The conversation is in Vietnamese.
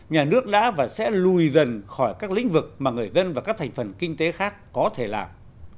nhà nước đã và sẽ lùi dần khỏi các lĩnh vực mà người dân và các thành phần kinh tế khác có thể làm